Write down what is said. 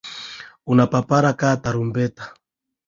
Una papara ka tarumbeta.